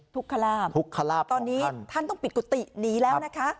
ทุกขลาบทุกขลาบตอนนี้ท่านต้องปิดกุฏิหนีแล้วนะคะ